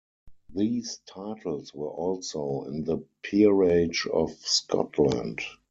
These titles were also in the Peerage of Scotland.